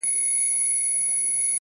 ما خوبونه وه لیدلي د بېړۍ د ډوبېدلو٫